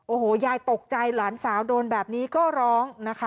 โอ้โหยายตกใจหลานสาวโดนแบบนี้ก็ร้องนะคะ